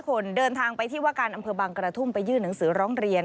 คนเดินทางไปที่ว่าการอำเภอบางกระทุ่มไปยื่นหนังสือร้องเรียน